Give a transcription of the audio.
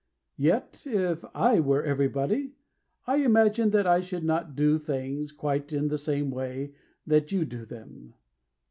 Yet, if I were Everybody, I imagine that I should not do things Quite in the same way that you do them.